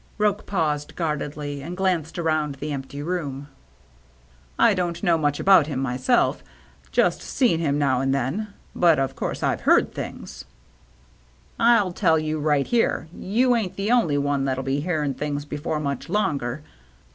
Roche paused guardedly, and glanced around the empty room. " I don't know much about him myself, just seen him now and then. But of course I've heard things. " I'll tell you right here, you ain't the only one that'll be hearin' things before much longer."